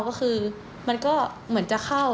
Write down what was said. ก็คือมันก็เหมือนจะเข้า